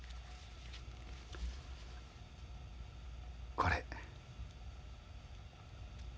これ。